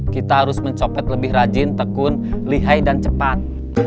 kita harus mencopet lebih rajin tekun lihai dan cepat